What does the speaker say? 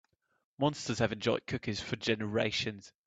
Monsters have enjoyed cookies for generations.